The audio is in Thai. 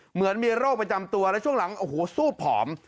เหมือนมีโรคประจำตัวแล้วช่วงหลังโอ้โหสู้ผอม